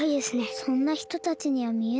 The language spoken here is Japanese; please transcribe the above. そんなひとたちにはみえないけど。